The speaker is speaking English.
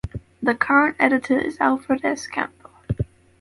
The current editor is Alfred S. Campbell.